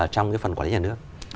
trong cái phần quản lý nhà nước